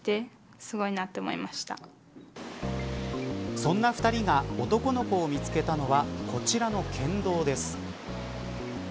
そんな２人が男の子を見つけたのはこちらの県道です。